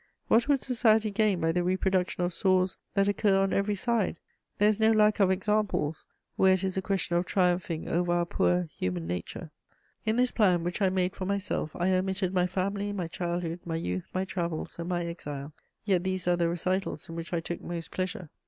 What would society gain by the reproduction of sores that occur on every side? There is no lack of examples, where it is a question of triumphing over our poor human nature." * [Sidenote: I decide to write my memoirs.] In this plan which I made for myself I omitted my family, my childhood, my youth, my travels, and my exile: yet these are the recitals in which I took most pleasure.